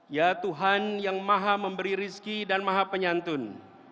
ya tuhan yang maha memberi rizki dan maha penyantun